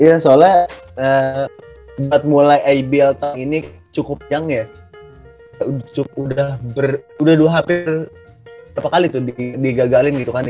iya soalnya buat mulai ini cukup yang ya udah berudah dua hampir itu digagalin gitu kan di